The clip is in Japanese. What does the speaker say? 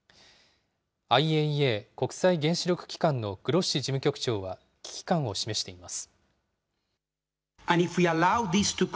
ＩＡＥＡ・国際原子力機関のグロッシ事務局長は危機感を示しています。